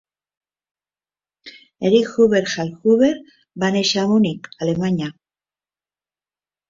Erich Huber Hallhuber va néixer a Munic, Alemanya.